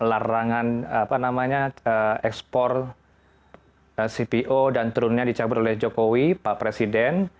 apa namanya ekspor cpo dan turunannya dicabut oleh jokowi pak presiden